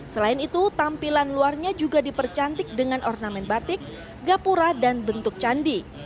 selain itu tampilan luarnya juga dipercantik dengan ornamen batik gapura dan bentuk candi